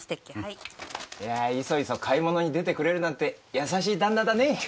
いそいそ買い物に出てくれるなんて優しい旦那だね。